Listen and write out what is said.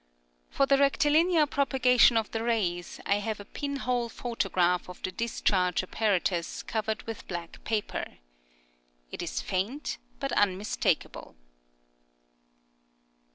For the rectilinear propagation of the rays I have a pin hole photograph of the discharge apparatus covered with black paper. It is faint, but unmistakable.